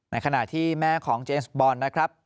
ในขณะที่แม่ของเจนส์บอลนะครับ